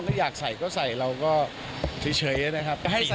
ถ้าอยากใส่ก็ใส่เราก็เฉยนะครับ